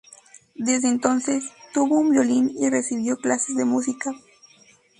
Desde entonces, tuvo un violín y recibió clases de música.